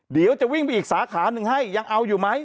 เดี๋ยวจะวิ่งไปอีกสาขาหนึ่งให้ยังเอาอยู่ไหม